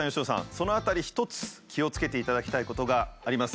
その辺り一つ気をつけていただきたいことがあります。